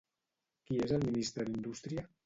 Qui és el ministre d'Indústria?